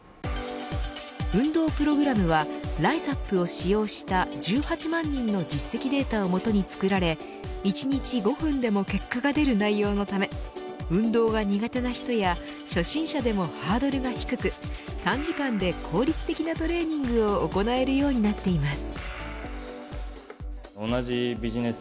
運動プログラムはＲＩＺＡＰを使用した１８万人の実績データをもとに作られ１日５分でも結果が出る内容のため運動が苦手な人や初心者でもハードルが低く短時間で効率的なトレーニングを行えるようになっています。